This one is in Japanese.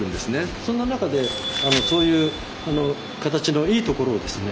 そんな中でそういう形のいいところをですね